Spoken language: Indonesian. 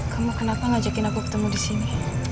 kamu kenapa ngajakin aku ketemu di sini